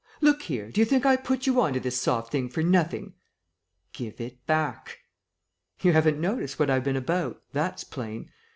"Look here, do you think I put you on to this soft thing for nothing?" "Give it back!" "You haven't noticed what I've been about, that's plain!